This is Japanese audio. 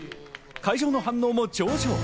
会場の反応も上々。